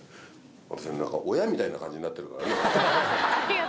私何か親みたいな感じになってるからね。